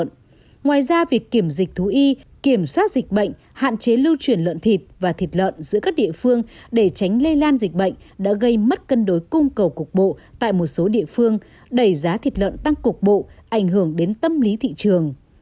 ngoài ra việc kiểm dịch thú y kiểm soát dịch bệnh hạn chế lưu chuyển lợn thịt và thịt lợn giữa các địa phương để tránh lây lan dịch bệnh đã gây mất cân đối cung cầu cục bộ tại một số địa phương đẩy giá thịt lợn tăng cục bộ ảnh hưởng đến tâm lý thị trường